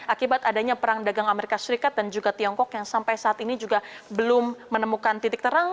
akibat adanya perang dagang amerika serikat dan juga tiongkok yang sampai saat ini juga belum menemukan titik terang